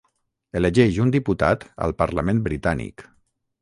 Elegeix un diputat al Parlament britànic.